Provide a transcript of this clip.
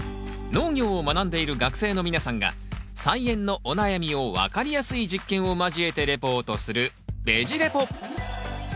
農業を学んでいる学生の皆さんが菜園のお悩みを分かりやすい実験を交えてレポートする「ベジ・レポ」！